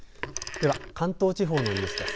では、関東地方のニュースです。